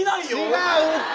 違うって！